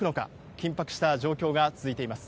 緊迫した状況が続いています。